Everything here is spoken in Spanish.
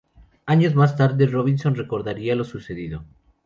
Años más tarde, Robinson recordaría lo sucedido.